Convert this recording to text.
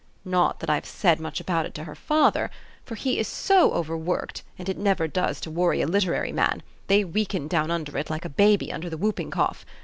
Not that I've said much about it to her father ; for he is so over 238 THE STORY OF AVIS. worked, and it never does to worry a literary man : they weaken down under it like a baby under the whooping cough.